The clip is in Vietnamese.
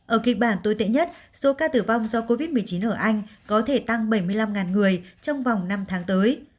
ở kịch bản tồi tệ nhất số ca tử vong do covid một mươi chín ở anh có thể tăng bảy mươi năm người trong vòng năm tháng tới